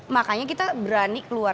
makanya kita berani keluar